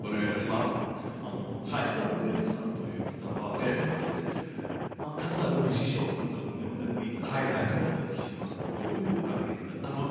実は植木さんという方は布施さんにとって数あるご師匠さんと呼んでもいい方だとお聞きしておりますけどどういうご関係性だったんですか？